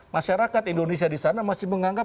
masyarakat indonesia di sana masih menganggap